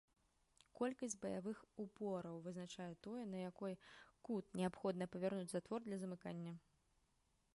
Колькасць баявых упораў вызначае тое, на якой кут неабходна павярнуць затвор для замыкання.